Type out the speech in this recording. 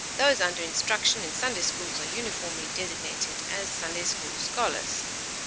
Those under instruction in Sunday schools are uniformly designated as Sunday school scholars.